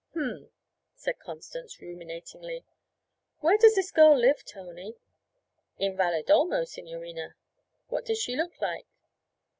'H'm ' said Constance, ruminatingly. 'Where does this girl live, Tony?' 'In Valedolmo, signorina.' 'What does she look like?'